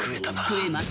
食えます。